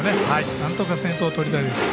なんとか先頭をとりたいです。